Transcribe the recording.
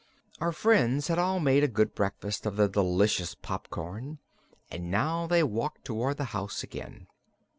Our friends had all made a good breakfast of the delicious popcorn and now they walked toward the house again.